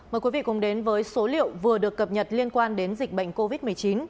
mời quý vị cùng đến với số liệu vừa được cập nhật liên quan đến dịch bệnh covid một mươi chín